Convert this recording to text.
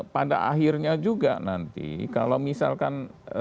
pada akhirnya juga nanti kalau misalkan